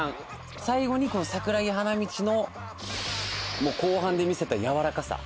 最後に、桜木花道の後半で見せたやわらかさ。